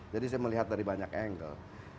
jadi saya melihat dari banyak angle